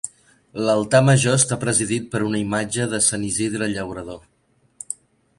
L'altar major està presidit per una imatge de sant Isidre Llaurador.